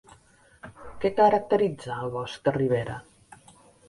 Què caracteritza el bosc de ribera?